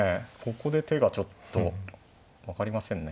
ここで手がちょっと分かりませんね